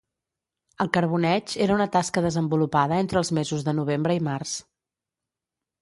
El carboneig era una tasca desenvolupada entre els mesos de novembre i març.